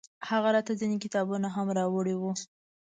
هغه راته ځينې کتابونه هم راوړي وو.